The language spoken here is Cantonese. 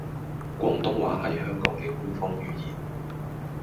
廣東話係香港嘅官方語言